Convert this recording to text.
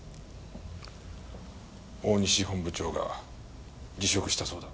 大西本部長が辞職したそうだ。